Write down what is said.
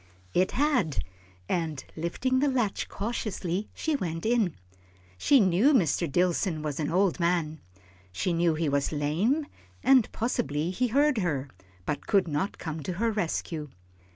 It had, and lifting the latch cautiously, she went in. She knew Mr. Dillson was an old man, she knew he was lame, and possibly he heard her, but could not come to her rescue.